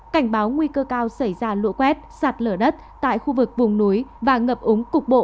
cảnh báo nguy cơ cao xảy ra lũ quét sạt lở đất tại khu vực vùng núi và ngập úng cục bộ